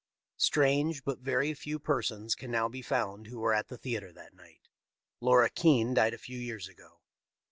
Strange, but very few persons can now be found who were at the theatre that night. Laura Keene died a few years ago.